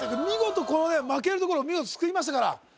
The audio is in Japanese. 見事このね負けるところ見事救いましたから